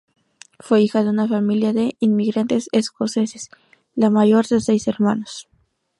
Fue hija de una familia de inmigrantes escoceses, la mayor de seis hermanos.